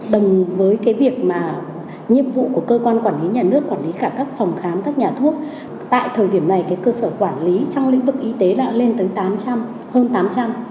đồng với cái việc mà nhiệm vụ của cơ quan quản lý nhà nước quản lý cả các phòng khám các nhà thuốc tại thời điểm này cái cơ sở quản lý trong lĩnh vực y tế đã lên tới tám trăm hơn tám trăm linh